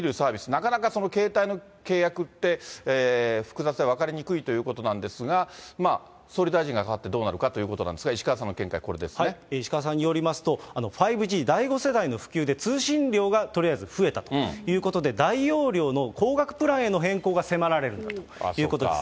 なかなか携帯の契約って、複雑で分かりにくいということなんですが、総理大臣が代わってどうなるかということなんですが、石川さんの石川さんによりますと、５Ｇ、第５世代の普及で通信量がとりあえず増えたということで、大容量の高額プランへの変更が迫られるということです。